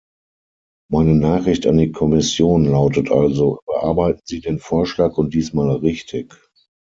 Meine Nachricht an die Kommission lautet also: Überarbeiten Sie den Vorschlag und diesmal richtig!